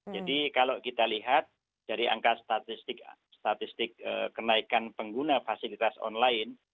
jadi kalau kita lihat dari angka statistik kenaikan pengguna fasilitas online